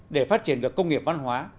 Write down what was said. để phát triển được công nghiệp văn hóa